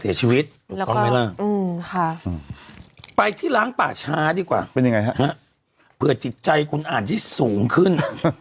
เสียชีวิตแล้วก็อืมค่ะไปที่ล้างป่าช้าดีกว่าเป็นยังไงฮะเพื่อจิตใจคุณอ่านที่สูงขึ้น